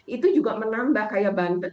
itu juga menambah kayak banten